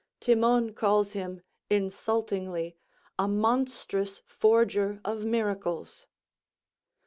Timon calls him, insultingly, "a monstrous forger of miracles."